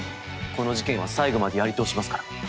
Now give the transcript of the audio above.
この事件は最後までやりとおしますから。